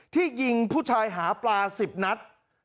ที่ยิงผู้ชายหาปลา๑๐นัด